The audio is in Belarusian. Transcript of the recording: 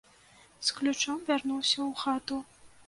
З ключом вярнуўся ў хату.